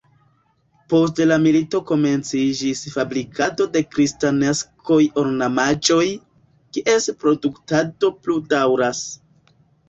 Post la milito komenciĝis fabrikado de kristnaskaj ornamaĵoj, kies produktado plu daŭras.